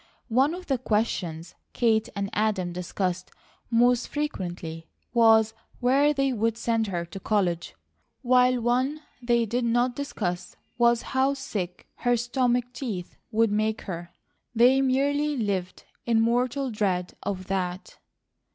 One of the questions Kate and Adam discussed most frequently was where they would send her to college, while one they did not discuss was how sick her stomach teeth would make her. They merely lived in mortal dread of that.